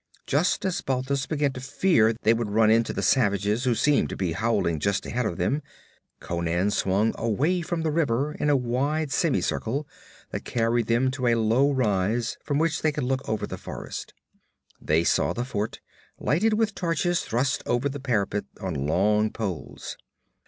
Just as Balthus began to fear they would run into the savages who seemed to be howling just ahead of them, Conan swung away from the river in a wide semicircle that carried them to a low rise from which they could look over the forest. They saw the fort, lighted with torches thrust over the parapets on long poles.